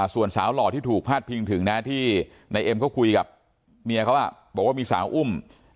ส่วนสาวหล่อที่ถูกพาดพิงถึงนะที่นายเอ็มเขาคุยกับเมียเขาบอกว่ามีสาวอุ้ม